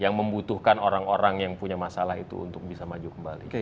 yang membutuhkan orang orang yang punya masalah itu untuk bisa maju kembali